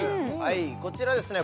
こちらですね